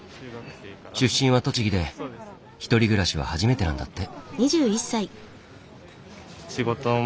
出身は栃木で１人暮らしは初めてなんだって。